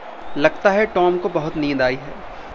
लगता है टॉम को बहुत नींद आई है।